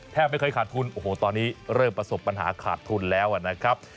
ไม่เคยขาดทุนโอ้โหตอนนี้เริ่มประสบปัญหาขาดทุนแล้วนะครับ